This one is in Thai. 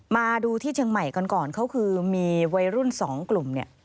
มาดูที่เชียงใหม่กันก่อนเขาคือมีวัยรุ่นสองกลุ่มเนี่ย